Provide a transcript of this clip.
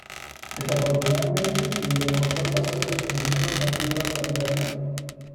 Desafortunadamente, debido al corto plazo que les permitieron, no pudieron salir al campo.